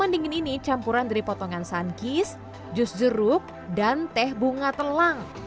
dan ini campuran dari potongan sun kiss jus jeruk dan teh bunga telang